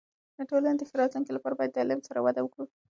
د ټولنې د ښه راتلونکي لپاره باید د علم سره وده وکړو.